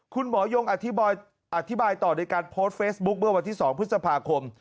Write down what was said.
ยงอธิบายต่อในการโพสต์เฟซบุ๊คเมื่อวันที่๒พฤษภาคม